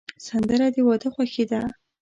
سندره د واده خوښي ده